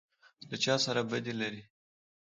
_ له چا سره بدي لری؟